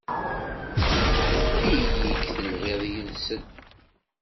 Ili-k telhid yid-sen.